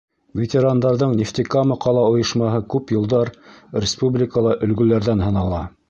Ветерандарҙың Нефтекама ҡала ойошмаһы күп йылдар республикала өлгөлөләрҙән һанала.